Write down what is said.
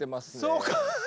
そうか。